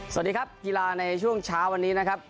สวัสดีครับกีฬาในช่วงเช้าวันนี้นะครับ